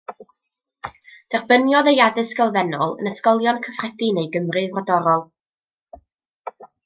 Derbyniodd ei addysg elfennol yn ysgolion cyffredin ei Gymru frodorol.